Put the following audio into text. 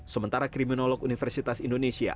sementara kriminolog universitas indonesia